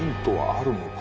あるのか。